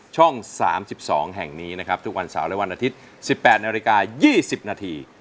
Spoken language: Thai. ช่อง๓๒แห่งนี้นะครับทุกวันเสาร์และวันอาทิตย์๑๘นาฬิกา๒๐นาที